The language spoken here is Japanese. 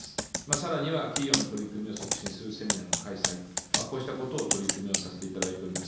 さらには企業の取り組みを促進するセミナーの開催、こうしたことを取り組みをさせていただいております。